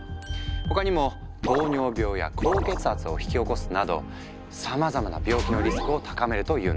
他にも糖尿病や高血圧を引き起こすなどさまざまな病気のリスクを高めるというんだ。